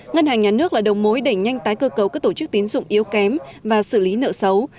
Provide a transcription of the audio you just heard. ngân hàng nhà nước là đầu mối đẩy nhanh tái cơ cấu các tổ chức tín dụng yếu kém và xử lý nợ xấu